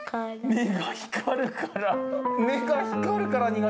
目が光るから。